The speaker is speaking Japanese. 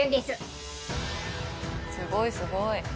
すごいすごい。